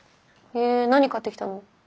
え何買ってきたの？